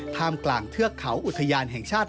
ท่ามกลางเทือกเขาอุทยานแห่งชาติ